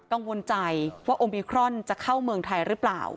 กังวลใจว่าโอมิครอนจะเข้าเมืองไทยหรือเปล่า